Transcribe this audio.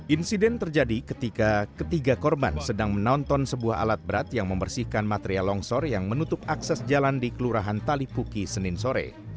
insiden terjadi ketika ketiga korban sedang menonton sebuah alat berat yang membersihkan material longsor yang menutup akses jalan di kelurahan talipuki senin sore